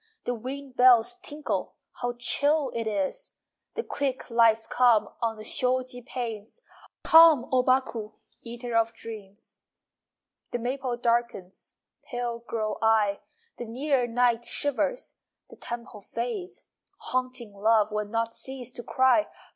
The wind bells tinkle (How chill it is!) The quick lights come On the shoji panes. Come, O Baku, Eater of dreams! The maple darkens (Pale grow I!) The near night shivers (The temple fades.) Haunting love Will not cease to cry!